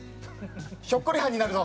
ひょっこりはんになるぞ。